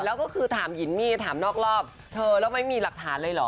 แล้วก็คือถามยินมี่ถามนอกรอบเธอแล้วไม่มีหลักฐานเลยเหรอ